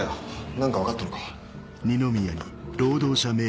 何か分かったのか？